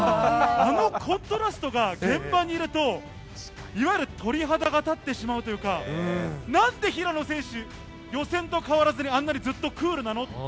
あのコントラストが現場にいると、いわゆる鳥肌が立ってしまうというか、なんで平野選手、予選と変わらずにあんなにずっとクールなの？